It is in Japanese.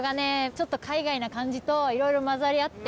ちょっと海外な感じといろいろ混ざり合って。